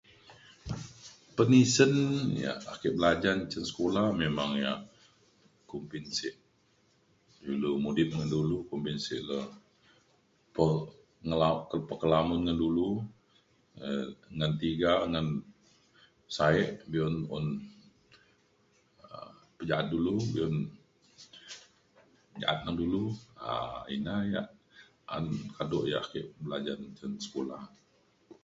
penisen ia' ake belajen cin sekula memang ia' kumbin sik dulu mudip ngan dulu kumbin sik le pe- ngalau- pekelamun ngan dulu um ngan tiga ngan sa'e be'un un um pejaat dulu be'un jaat neng dulu um ina ia' an kado ia' ake belajen cin sekula